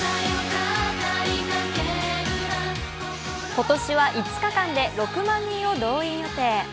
今年は５日間で６万人を動員予定。